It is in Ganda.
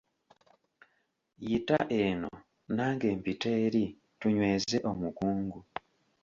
Yita eno nange mpite eri tunyweze omukungu.